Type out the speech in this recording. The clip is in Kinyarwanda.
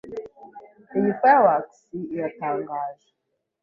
Iyi fireworks iratangaje!